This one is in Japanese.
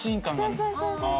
そうそうそうそう！